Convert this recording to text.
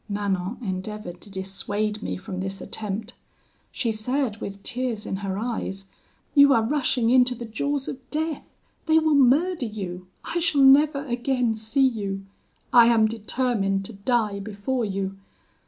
Manon endeavoured to dissuade me from this attempt: she said, with tears in her eyes, 'You are rushing into the jaws of death; they will murder you I shall never again see you I am determined to die before you.'